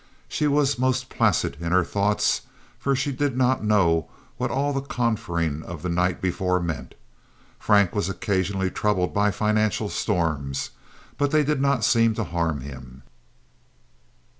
She was most placid in her thoughts, for she did not know what all the conferring of the night before meant. Frank was occasionally troubled by financial storms, but they did not see to harm him.